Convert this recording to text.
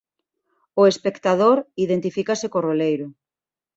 E o espectador identifícase con Roleiro.